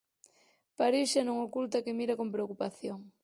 París xa non oculta que mira con preocupación.